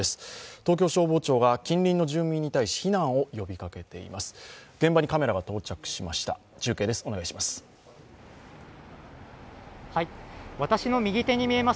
東京消防庁が近隣の住民に対し避難を呼びかけています。